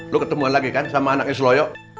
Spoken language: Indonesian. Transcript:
lu ketemuan lagi kan sama anaknya sloyo